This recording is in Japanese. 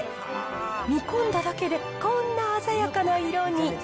煮込んだだけで、こんな鮮やかな色に。